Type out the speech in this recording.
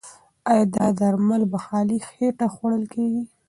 ایا دا درمل په خالي خېټه خوړل کیږي؟